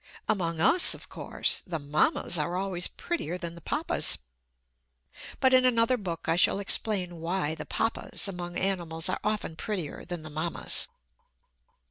Among us, of course, the Mammas are always prettier than the Papas! But in another book I shall explain why the Papas among animals are often prettier than the Mammas.